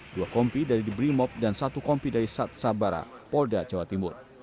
dua kompi dari di brimob dan satu kompi dari sat sabara polda jawa timur